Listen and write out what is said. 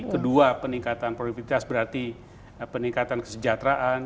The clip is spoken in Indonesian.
kedua peningkatan produktivitas berarti peningkatan kesejahteraan